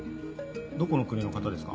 どこの国の方ですか？